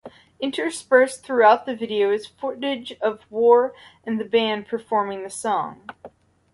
Interspersed throughout the video is footage of war and the band performing the song.